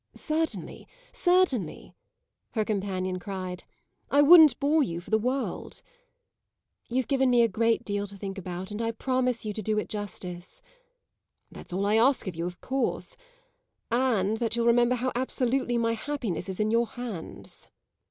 "Certainly, certainly!" her companion cried. "I wouldn't bore you for the world." "You've given me a great deal to think about, and I promise you to do it justice." "That's all I ask of you, of course and that you'll remember how absolutely my happiness is in your hands."